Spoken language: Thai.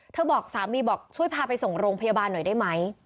บอกสามีบอกช่วยพาไปส่งโรงพยาบาลหน่อยได้ไหม